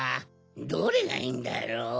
どれがいいんだろう？